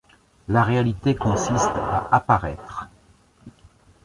La réalité consiste à apparaître.